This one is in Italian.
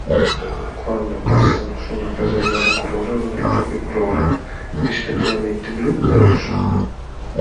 Quando passano su una casella la colorano del proprio colore, rispettivamente blu e rosso.